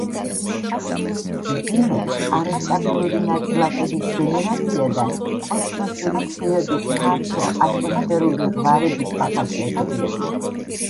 მძიმე არასტაბილური ნაწილაკების გენერაცია და კოსმოსური სხივების ფართო ატმოსფერული ღვარების მახასიათებლები.